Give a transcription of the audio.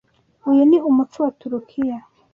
Uyu ni umuco wa Turukiya.